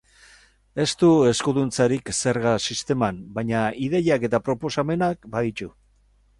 Ez du eskuduntzarik zerga sisteman, baina ideiak eta proposamenak baditu.